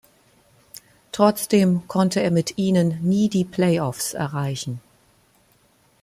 Trotzdem konnte er mit ihnen nie die Playoffs erreichen.